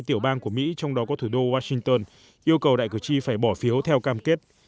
ba mươi hai tiểu bang của mỹ trong đó có thủ đô washington yêu cầu đại cử tri phải bỏ phiếu theo cam kết